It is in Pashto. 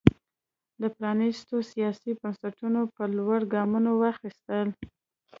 د پرانېستو سیاسي بنسټونو پر لور ګامونه واخیستل.